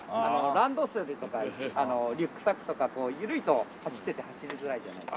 ランドセルとかリュックサックとか緩いと走ってて走りづらいじゃないですか。